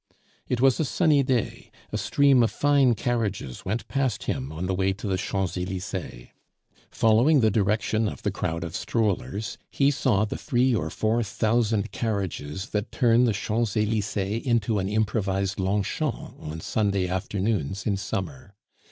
It was a sunny day; a stream of fine carriages went past him on the way to the Champs Elysees. Following the direction of the crowd of strollers, he saw the three or four thousand carriages that turn the Champs Elysees into an improvised Longchamp on Sunday afternoons in summer.